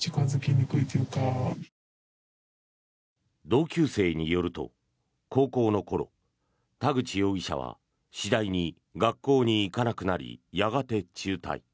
同級生によると高校の頃田口容疑者は次第に学校に行かなくなりやがて中退。